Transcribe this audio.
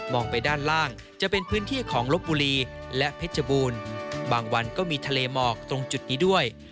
ไปด้านล่างจะเป็นพื้นที่ของลบบุรีและเพชรบูรณ์บางวันก็มีทะเลหมอกตรงจุดนี้ด้วย